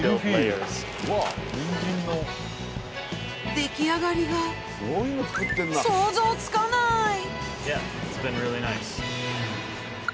出来上がりが想像つかないへ。